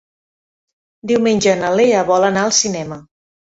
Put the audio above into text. Diumenge na Lea vol anar al cinema.